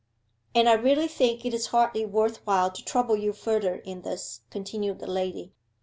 'And I really think it is hardly worth while to trouble you further in this,' continued the lady.